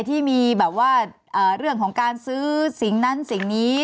ที่มีแบบว่าเรื่องของการซื้อสิ่งนั้นสิ่งนี้